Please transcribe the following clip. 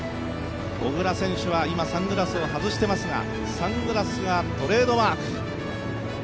小椋選手は今サングラスを外していますがサングラスがトレードマーク。